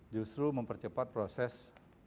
justru mempercepat proses penyelidikan